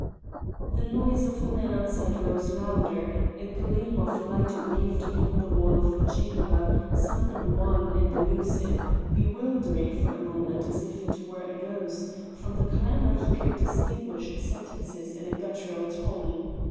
The noise of the men outside rose louder; a gleam of light waved upon the wall of the chamber, something wan and elusive, bewildering for a moment as if it were a ghost; from the clamour he could distinguish sentences in a guttural tongue.